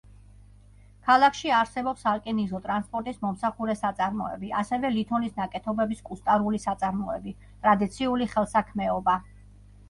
ქალაქში არსებობს სარკინიგზო ტრანსპორტის მომსახურე საწარმოები, ასევე ლითონის ნაკეთობების კუსტარული საწარმოები, ტრადიციული ხელსაქმეობა.